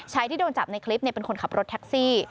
ที่โดนจับในคลิปเป็นคนขับรถแท็กซี่